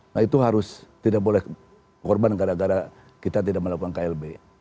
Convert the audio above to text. nah itu harus tidak boleh korban gara gara kita tidak melakukan klb